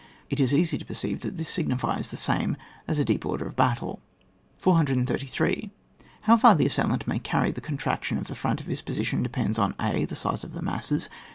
It IS easy to perceive that this signifies the same as a deep order of battle. 433. How far the assailant may carry the contraction of the front of his posi tion, depends on, a. The size of the masses.